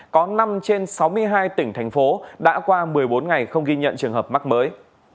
có năm trên sáu mươi hai tỉnh thành phố đã qua một mươi bốn ngày không ghi nhận trường hợp mắc mới